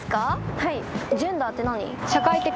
はい。